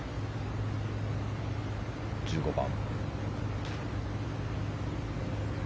１５番。